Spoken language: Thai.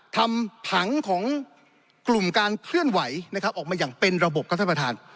ทำผังของกลุ่มการเคลื่อนไหวนะครับออกมาอย่างเป็นระบบครับท่านประธาน